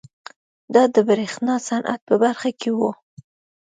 دا د برېښنا صنعت په برخه کې وه.